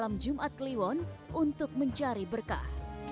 pada malam jumat kliwon untuk mencari berkah